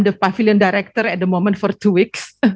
saya adalah direktur pavilion saat ini selama dua minggu